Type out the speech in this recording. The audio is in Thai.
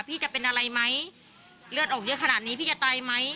พี่จะเป็นอะไรไหมเลือดออกเยอะขนาดนี้พี่จะตายไหม